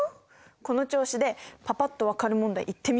この調子でパパっと分かる問題いってみよう。